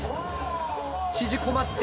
縮こまって。